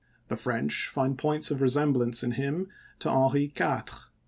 The French find points of resemblance in him to Henry IV.